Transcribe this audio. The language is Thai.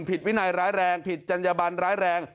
ผิดวินัยร้ายแรงผิดจัญญบันร้ายแรง